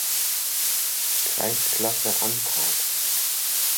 Kreisklasse antrat.